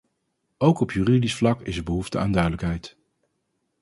Ook op juridisch vlak is er behoefte aan duidelijkheid.